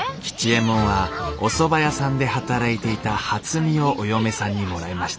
吉右衛門はおそば屋さんで働いていた初美をお嫁さんにもらいました。